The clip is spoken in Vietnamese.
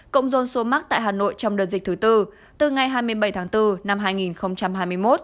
cộng dồn số mắc tại hà nội trong đợt dịch thứ tư từ ngày hai mươi bảy tháng bốn năm hai nghìn hai mươi một